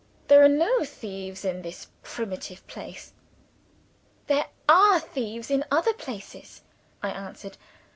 "There are no thieves in this primitive place." "There are thieves in other places," I answered.